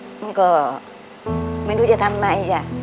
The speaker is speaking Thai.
มันก็ไม่รู้จะทำไมจ้ะ